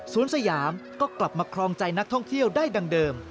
สยามก็กลับมาครองใจนักท่องเที่ยวได้ดังเดิม